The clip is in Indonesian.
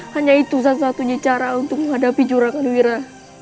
hanya itu satu satunya cara untuk menghadapi curagan wira